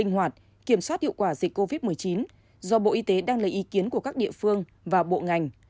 hoạt kiểm soát hiệu quả dịch covid một mươi chín do bộ y tế đang lấy ý kiến của các địa phương và bộ ngành